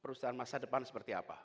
perusahaan masa depan seperti apa